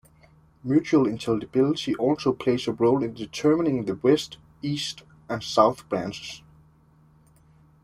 Mutual intelligibility also plays a role in determining the West, East, and South branches.